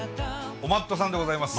お待っとさんでございます。